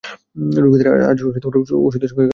রোগীদের আজ ওষুধের সঙ্গে গাল দেয় শশী!